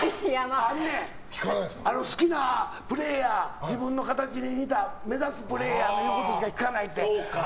あのね、好きなプレーヤー自分の形を目指すプレーヤーの言うことしか聞かないって。